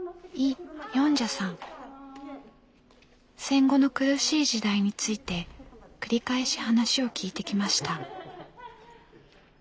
戦後の苦しい時代について繰り返し話を聞いてきました。